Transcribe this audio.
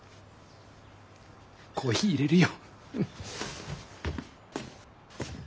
コーヒーいれるよ。